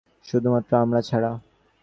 শুধুমাত্র আমরা ছাড়া।